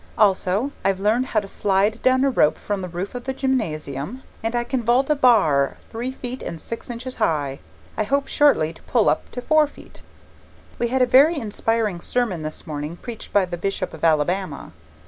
Also I've learned how to slide down a rope from the roof of the gymnasium, and I can vault a bar three feet and six inches high I hope shortly to pull up to four feet. We had a very inspiring sermon this morning preached by the Bishop of Alabama.